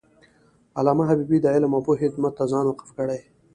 علامه حبیبي د علم او پوهې خدمت ته ځان وقف کړی و.